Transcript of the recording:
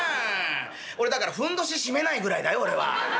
俺だからふんどし締めないぐらいだよ俺は」。